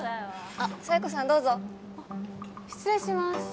あっ佐弥子さんどうぞあっ失礼します